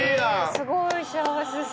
すごい幸せそう。